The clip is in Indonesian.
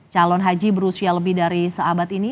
calon haji berusia lebih dari seabad ini